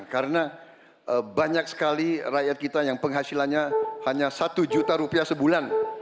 karena banyak sekali rakyat kita yang penghasilannya hanya satu juta rupiah sebulan